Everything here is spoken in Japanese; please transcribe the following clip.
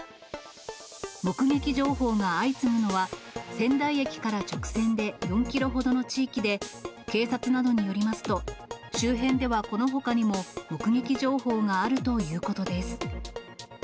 目撃情報が相次ぐのは、仙台駅から直線で４キロほどの地域で、警察などによりますと、周辺ではこのほかにも、目撃情報があるということです。